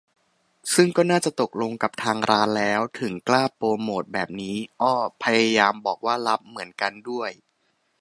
ซึ่งก็น่าจะตกลงกับทางร้านแล้ว ถึงกล้าโปรโมตแบบนี้ อ้อ พยายามบอกว่า "ลับ" เหมือนกันด้วย